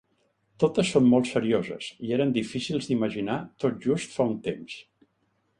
Totes són molt serioses, i eren difícils d’imaginar tot just fa un temps.